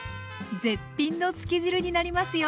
絶品のつけ汁になりますよ。